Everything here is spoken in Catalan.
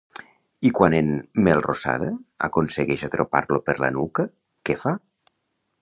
I quan en Melrosada aconsegueix atrapar-lo per la nuca, què fa?